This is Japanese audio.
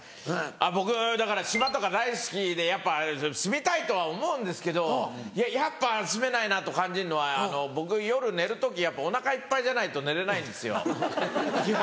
僕島とか大好きでやっぱ住みたいとは思うんですけどやっぱ住めないなと感じるのは僕夜寝る時やっぱお腹いっぱいじゃないと寝れないんですよ基本。